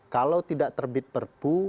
kalau tidak terbit perpu